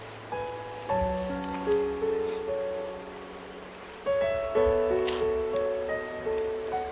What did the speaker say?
ที่ได้เงินเพื่อจะเก็บเงินมาสร้างบ้านให้ดีกว่า